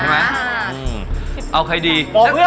ค่ะเอาใครดี